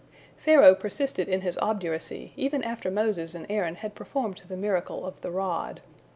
" Pharaoh persisted in his obduracy, even after Moses and Aaron had performed the miracle of the rod.